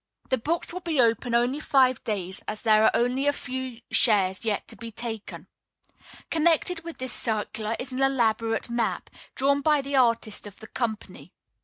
"The books will be open only five days, as there are only a few shares yet to be taken." Connected with this circular is an elaborate map, drawn by the artist of the company.